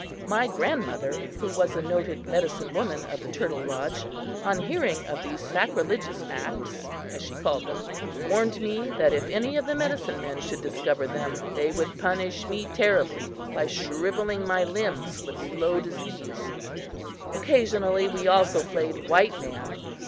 My grandmother, who was a noted medicine woman of the Turtle lodge, on hearing of these sacrilegious acts (as she called them) warned me that if any of the medicine men should discover them, they would punish me terribly by shriveling my limbs with slow disease. Occasionally, we also played "white man."